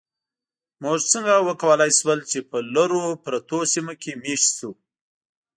موږ څنګه وکولی شول، چې په لرو پرتو سیمو کې مېشت شو؟